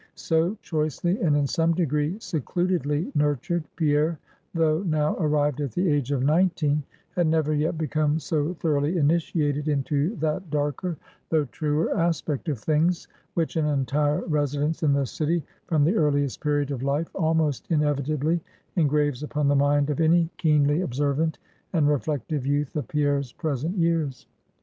So choicely, and in some degree, secludedly nurtured, Pierre, though now arrived at the age of nineteen, had never yet become so thoroughly initiated into that darker, though truer aspect of things, which an entire residence in the city from the earliest period of life, almost inevitably engraves upon the mind of any keenly observant and reflective youth of Pierre's present years.